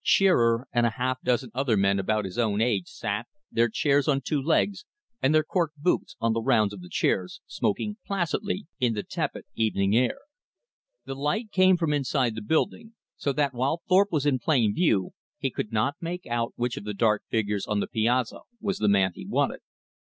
Shearer and a half dozen other men about his own age sat, their chairs on two legs and their "cork" boots on the rounds of the chairs, smoking placidly in the tepid evening air. The light came from inside the building, so that while Thorpe was in plain view, he could not make out which of the dark figures on the piazza was the man he wanted.